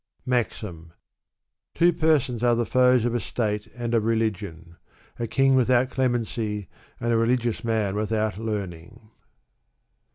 MAXIM. Two persons are the foes of a state and of religion : a king without clemency, and a religious man without learning.